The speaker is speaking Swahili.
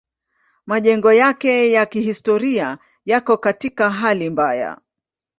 Majengo yake ya kihistoria yako katika hali mbaya.